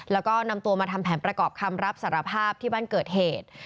แล้วก็นำตัวมาทำแผนประกอบคำรับสารภาพที่บ้านเกิดเหตุ